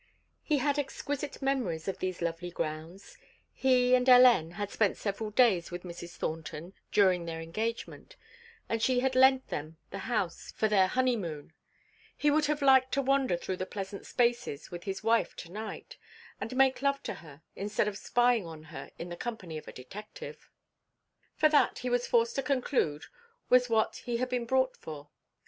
He had exquisite memories of these lovely grounds; he and Hélène had spent several days with Mrs. Thornton during their engagement, and she had lent them the house for their honeymoon; he would have liked to wander through the pleasant spaces with his wife to night and make love to her, instead of spying on her in the company of a detective. For that, he was forced to conclude, was what he had been brought for.